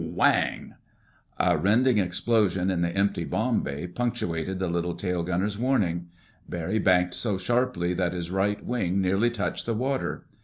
WHANG! A rending explosion in the empty bomb bay punctuated the little tail gunner's warning. Barry banked so sharply that his right wing nearly touched the water.